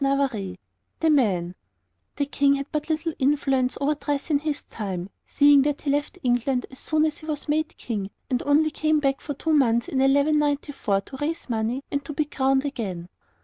a hood; a shoe}] The King had but little influence over dress in his time, seeing that he left England as soon as he was made King, and only came back for two months in 1194 to raise money and to be crowned again.